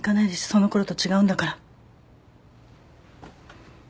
そのころと違うんだから。